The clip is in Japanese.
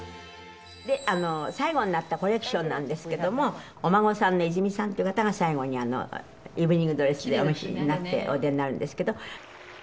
「で最後になったコレクションなんですけどもお孫さんの泉さんっていう方が最後にイブニングドレスでお召しになってお出になるんですけど」